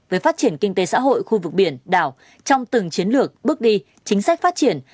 về phát triển kinh tế xã hội khu vực biển đảo trong từng chiến lược bước đi chính sách phát triển